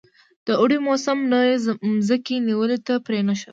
د اوړي موسم نوي مځکې نیولو ته پرې نه ښود.